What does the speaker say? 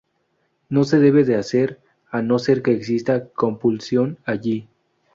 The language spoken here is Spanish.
No se debe de hacer a no ser que exista compulsión allí.